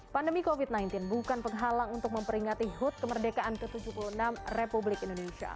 pandemi covid sembilan belas bukan penghalang untuk memperingati hud kemerdekaan ke tujuh puluh enam republik indonesia